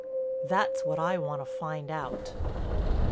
"That's what I want to find out."